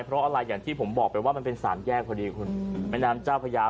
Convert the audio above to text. เพราะอะไรอย่างที่ผมบอกไปว่ามันเป็นสามแยกพอดีคุณแม่น้ำเจ้าพญา